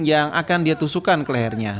yang akan dia tusukkan ke lehernya